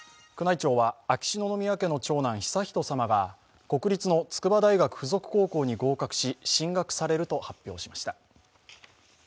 宮内庁は秋篠宮家の長男悠仁さまが国立の筑波大学付属高校に合格し、進学されると発表しました。